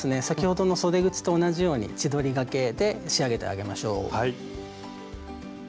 先ほどのそで口と同じように千鳥がけで仕上げてあげましょう。